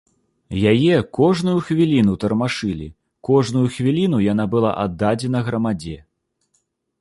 Яе кожную хвіліну тармашылі, кожную хвіліну яна была аддадзена грамадзе.